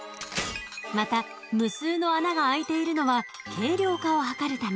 また無数の穴があいているのは軽量化を図るため。